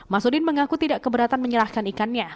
masudin mengaku tidak keberatan menyerahkan ikannya